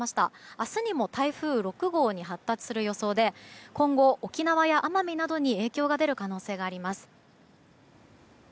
明日にも台風６号に発達する予想で今後、沖縄や奄美などに影響が出る可能性があります。